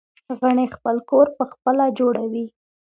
غڼې خپل کور پخپله جوړوي